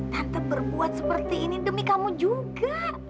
tetap berbuat seperti ini demi kamu juga